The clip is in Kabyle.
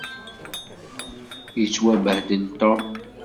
Yettwabehdel Tom.